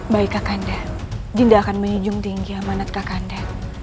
baik kakanda dinda akan menunjung tinggi amanat kakanda